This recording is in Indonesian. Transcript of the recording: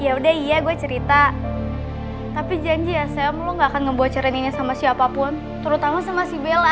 ya udah iya gue cerita tapi janji ya saya lu gak akan ngebocorin ini sama siapapun terutama sama si bella